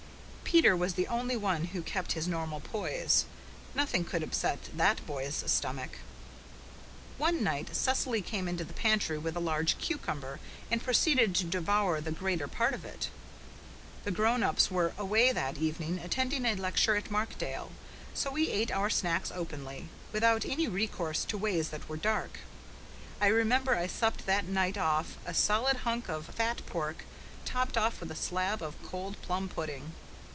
Peter was the only one who kept his normal poise. Nothing could upset that boy's stomach. One night Cecily came into the pantry with a large cucumber, and proceeded to devour the greater part of it. The grown ups were away that evening, attending a lecture at Markdale, so we ate our snacks openly, without any recourse to ways that were dark. I remember I supped that night off a solid hunk of fat pork, topped off with a slab of cold plum pudding.